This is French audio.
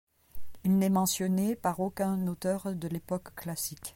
Il n’est mentionné par aucun auteur de l’époque classique.